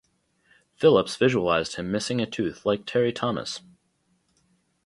Phillips visualised him missing a tooth like Terry-Thomas.